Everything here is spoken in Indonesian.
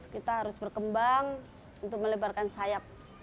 kita harus berkembang untuk melebarkan sayap